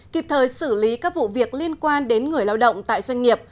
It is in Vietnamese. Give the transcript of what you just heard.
kịp thời xử lý các vụ việc liên quan đến người lao động tại doanh nghiệp